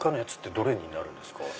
どれになるんですか？